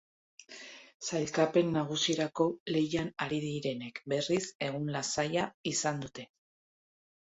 Sailkapen nagusirako lehian ari direnek, berriz, egun lasaia izan dute.